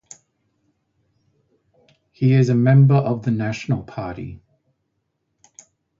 He is a member of the National Party.